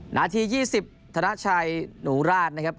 นาที๒๐ธนชัยหนูราชนะครับ